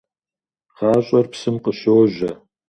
ГъащӀэр псым къыщожьэ.